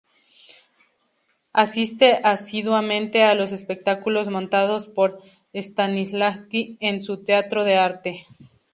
Asiste asiduamente a los espectáculos montados por Stanislavski en su Teatro de Arte.